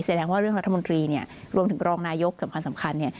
แสดงว่าเรื่องรัฐมนตรีเนี่ยรวมถึงรองนายกสำคัญเนี่ย